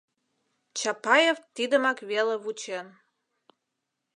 Чапаев тидымак веле вучен.